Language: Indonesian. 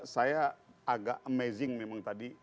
saya agak amazing memang tadi